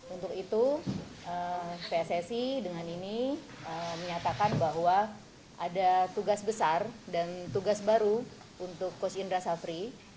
untuk itu pssi dengan ini menyatakan bahwa ada tugas besar dan tugas baru untuk coach indra safri